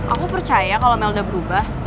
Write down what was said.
aku percaya kalo mel udah berubah